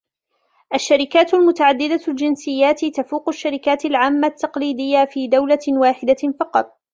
الشركات المتعددة الجنسيات تفوق الشركات العاملة التقليدية في دولة واحدة فقط.